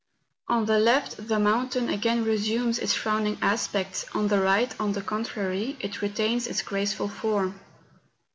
On the left, tlie mountain again resumes its frowning aspect; on tlie right, on the contrary, it retains its graceful form.